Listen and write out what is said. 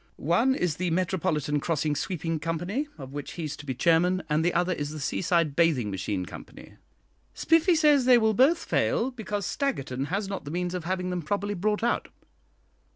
One is 'The Metropolitan Crossing Sweeping Company,' of which he's to be chairman, and the other is the 'Seaside Bathing Machine Company.' Spiffy says they will both fail, because Staggerton has not the means of having them properly brought out.